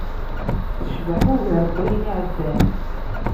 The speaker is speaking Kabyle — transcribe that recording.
Tecbeḥ, ugar n wayen iɛeddan.